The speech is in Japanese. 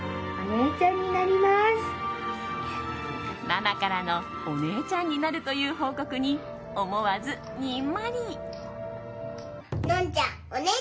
ママからのお姉ちゃんになるという報告に、思わずニンマリ。